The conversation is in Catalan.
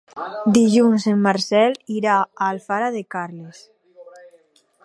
Dilluns en Marcel irà a Alfara de Carles.